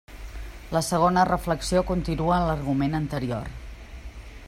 La segona reflexió continua l'argument anterior.